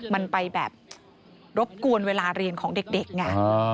มันไปแบบรบกวนเวลาเรียนของเด็กไง